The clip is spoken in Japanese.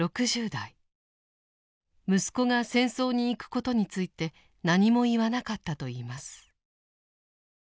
息子が戦争に行くことについて何も言わなかったといいます。